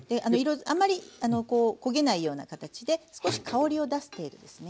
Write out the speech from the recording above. あまり焦げないような形で少し香りを出す程度ですね。